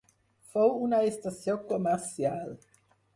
Fou una estació comercial.